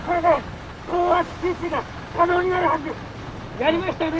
やりましたね！